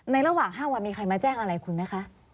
ระหว่าง๕วันมีใครมาแจ้งอะไรคุณไหมคะ